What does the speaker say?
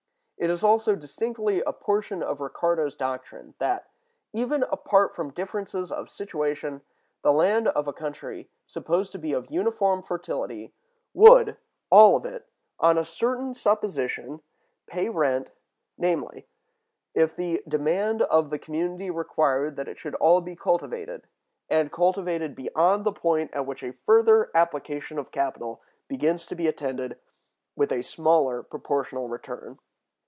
It is also distinctly a portion of Ricardo's doctrine that, even apart from differences of situation, the land of a country supposed to be of uniform fertility would, all of it, on a certain supposition, pay rent, namely, if the demand of the community required that it should all be cultivated, and cultivated beyond the point at which a further application of capital begins to be attended with a smaller proportional return.